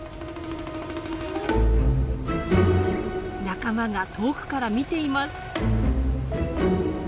仲間が遠くから見ています。